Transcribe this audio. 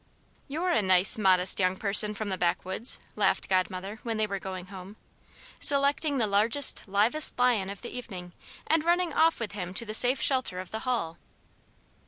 "You're a nice, modest young person from the backwoods," laughed Godmother when they were going home, "selecting the largest, livest lion of the evening and running off with him to the safe shelter of the hall."